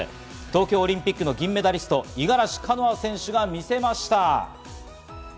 東京オリンピック銀メダリスト・五十嵐カノア選手が見せました。